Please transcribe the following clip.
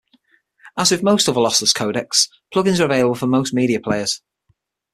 As with most other lossless codecs, plugins are available for most media players.